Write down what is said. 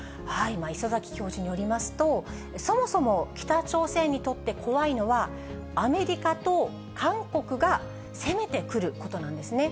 礒崎教授によりますと、そもそも北朝鮮にとって怖いのは、アメリカと韓国が攻めてくることなんですね。